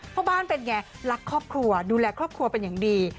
พ่อบ้านเป็นไงรักครอบครัวดูแลครอบครัวเป็นอย่างดี